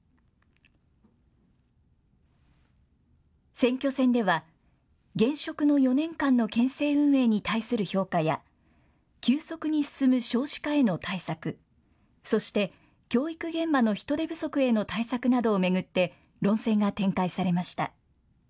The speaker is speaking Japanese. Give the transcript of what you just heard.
選挙戦では、現職の４年間の県政運営に対する評価や、急速に進む少子化への対策、そして教育現場の人手不足への対策などを巡って、論戦が展開されました。